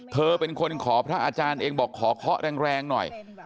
เธอเป็นคนขอพระอาจารย์เองบอกขอเคาะแรงหน่อย